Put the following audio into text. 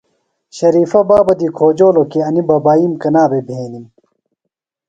شریفہ بابہ دی کھوجولوۡ کی انیۡ ببائیم کنا بھےۡ بھینِم؟